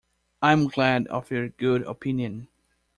I am glad of your good opinion.